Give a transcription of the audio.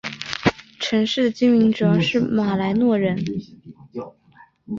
城市的居民主要是马来诺人。